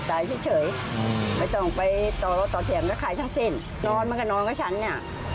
ไปต่อเถียงก็ขายทั้งสินนอนมันก็นอนก็ฉันเนี่ย